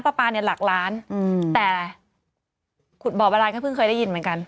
ป๊าป๊าเนี้ยหลักล้านอืมแต่ขุดบ่อยบรรลัยเขาก็เพิ่งเคยได้ยินเหมือนกัน